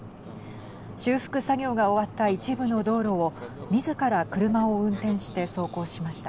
修復作業が終わった一部の道路をみずから車を運転して走行しました。